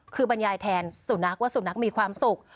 คือบรรยายแทนสุนัขว่าสุนัขมีความสุข